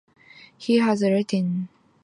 He has written more than ten books and scripts.